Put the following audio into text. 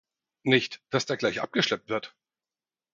Nicht dass der gleich abgeschleppt wird!